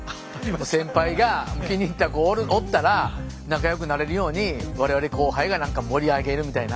先輩が気に入った子おったら仲良くなれるように我々後輩が盛り上げるみたいな。